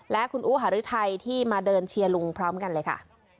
และคุณอู๋หารุทัยที่มาเดินเชียร์ลุงพร้อมกันเลยค่ะ